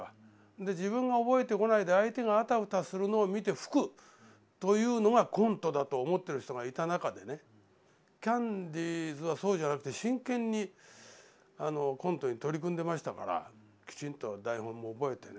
で自分が覚えてこないで相手があたふたするのを見て吹くというのがコントだと思ってる人がいた中でねキャンディーズはそうじゃなくて真剣にコントに取り組んでましたからきちんと台本も覚えてね